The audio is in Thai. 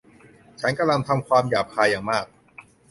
ฉันกำลังทำความหยาบคายอย่างมาก